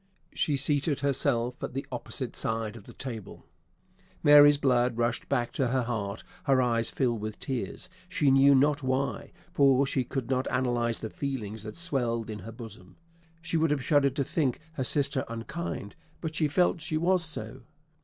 she seated herself at the opposite side of the table. Mary's blood rushed back to her heart; her eyes filled with tears, she knew not why; for she could not analyse the feelings that swelled in her bosom. She would have shuddered to think her sister unkind, but she felt she was so.